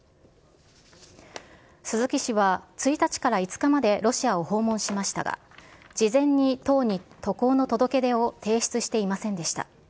鈴木氏は、１日から５日までロシアを訪問しましたが、事前に党に渡航の届け出を提出していませんでした。